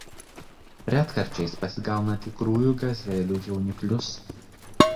Retkarčiais pasigauna tikrųjų gazelių jauniklius.